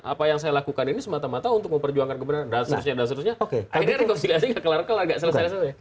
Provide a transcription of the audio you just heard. apa yang saya lakukan ini semata mata untuk memperjuangkan kebenaran dan seterusnya dan seterusnya akhirnya rekomendasi nggak selesai